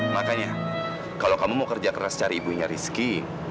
makanya kalau kamu mau kerja keras cari ibunya rizky